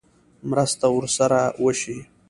مرسته ورسره وشي.